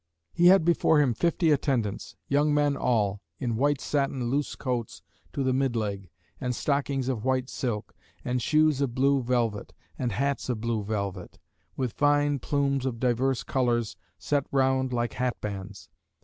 He had before him fifty attendants, young men all, in white satin loose coats to the mid leg; and stockings of white silk; and shoes of blue velvet; and hats of blue velvet; with fine plumes of diverse colours, set round like hat bands.